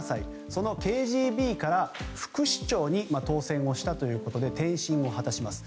そのＫＧＢから副市長に当選をしたということで転身を果たします。